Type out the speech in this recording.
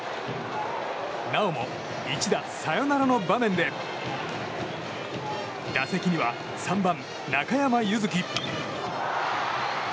なおも一打サヨナラの場面で打席には３番、中山優月。